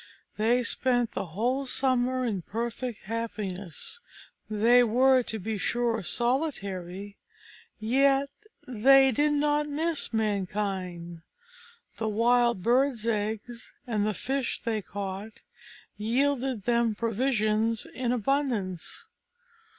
They spent the whole summer in perfect happiness: they were, to be sure, solitary, yet they did not miss mankind. The wild birds' eggs, and the fish they caught, yielded them provisions in abundance.